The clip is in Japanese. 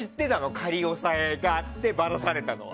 仮押さえがあってバラされたのは。